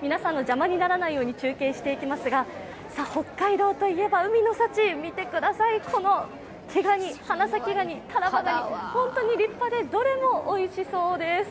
皆さんの邪魔にならないように中継していきますが北海道といえば海の幸、見てください、この毛がに、はなさきがに、たらばがに、本当に立派でどれもおいしそうです。